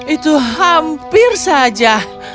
itu hampir saja